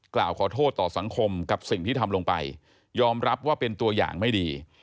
กล่าวขอโทษต่อสังคมกับสิ่งที่ทำลงไปยอมรับว่าเป็นตัวอย่างไม่ดี